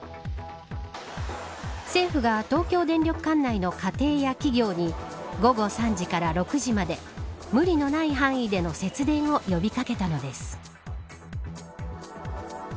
政府が東京電力管内の家庭や企業に午後３時から６時まで無理のない範囲での節電を呼び掛けたのです。